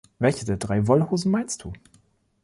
Welche der drei Wollhosen meinst du?